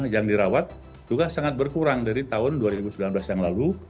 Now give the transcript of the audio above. yang dirawat juga sangat berkurang dari tahun dua ribu sembilan belas yang lalu